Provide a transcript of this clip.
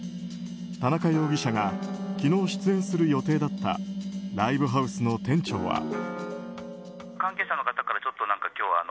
田中容疑者が昨日出演する予定だったライブハウスの店長は。